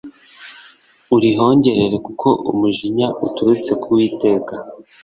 urihongerere kuko umujinya uturutse ku uwiteka